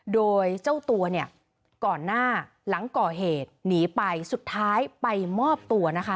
โดยเจ้าตัวเนี่ยก่อนหน้าหลังก่อเหตุหนีไปสุดท้ายไปมอบตัวนะคะ